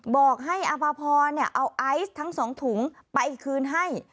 บอกให้อภพรเอาไอซ์ทั้ง๒ถุงไปคืนให้